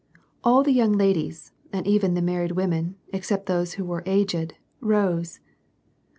All the young ladies and even the married women, except those who were aged, rose.